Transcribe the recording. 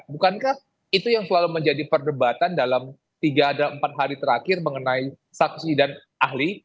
bukankah itu yang selalu menjadi perdebatan dalam tiga atau empat hari terakhir mengenai saksi dan ahli